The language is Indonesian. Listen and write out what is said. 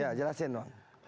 iya jelasin bang